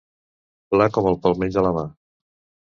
Pla com el palmell de la mà.